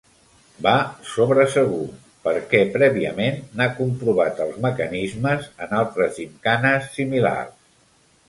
Va sobre segur, perquè prèviament n'ha comprovat els mecanismes en altres gimcanes similars.